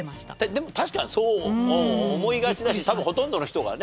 でも確かにそう思いがちだし多分ほとんどの人がね。